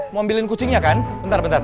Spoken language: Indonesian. mau beliin kucingnya kan bentar bentar